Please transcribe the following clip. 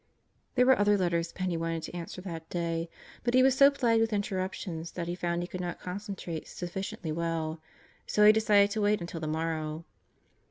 There were other letters Penney wanted to answer that day, but he was so plagued with interruptions that he found he could not concentrate sufficiently well, so he decided to wait until the morrow.